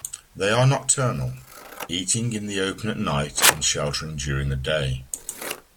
They are nocturnal, eating in the open at night and sheltering during the day.